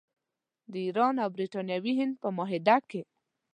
د ایران او برټانوي هند په معاهده کې.